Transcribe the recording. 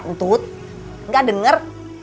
ntut nggak denger